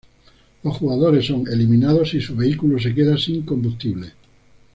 Los jugadores son eliminados si su vehículo se queda sin combustible.